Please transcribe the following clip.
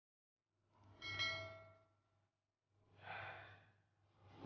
lo udah milik orang yang lo cintai